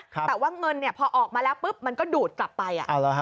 แต่ว่าเงินพอออกมาแล้วปุ๊บมันก็ดูดกลับไป